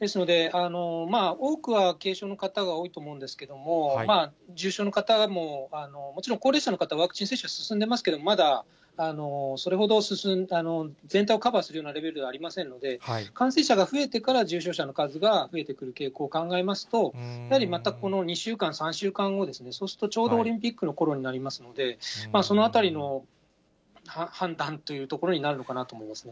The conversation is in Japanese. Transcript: ですので、多くは軽症の方が多いと思うんですけれども、重症の方も、もちろん高齢者の方、ワクチン接種進んでますけれども、まだそれほど、全体をカバーするようなレベルではありませんので、感染者が増えてから、重症者の数が増えてくる傾向を考えますと、やはりまたこの２週間、３週間後ですね、そうするとちょうどオリンピックのころになりますので、そのあたりの判断というところになるのかと思います。